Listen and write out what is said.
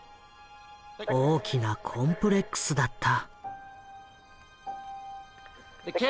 大きなコンプレックスだった。